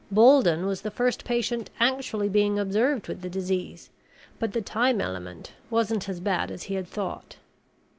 Bolden was the first patient actually being observed with the disease, but the time element wasn't as bad as he had thought.